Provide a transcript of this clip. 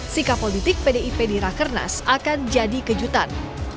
sikap politik pdip di rakernas akan jadi kejutan